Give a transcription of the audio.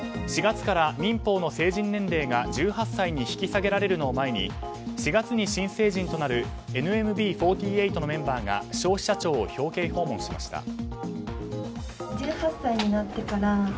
４月から民法の成人年齢が１８歳に引き下げられるのを前に４月に新成人となるＮＭＢ４８のメンバーが消費者庁を表敬訪問しました。